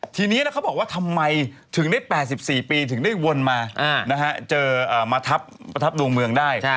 ทีนี้แล้วเขาบอกว่าทำไมถึงได้๘๔ปีถึงได้วนมาเจอมาประทับดวงเมืองได้